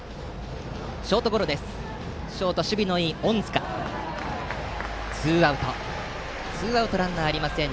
ショート守備のいい隠塚がさばいてツーアウトランナーありません。